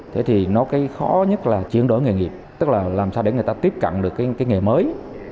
thế thì nó cái khó nhất là chuyển đổi nghề nghiệp tức là làm sao để người ta tiếp cận được cái nghề mới